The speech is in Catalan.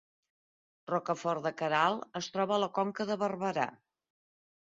Rocafort de Queralt es troba a la Conca de Barberà